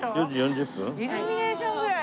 イルミネーションぐらい。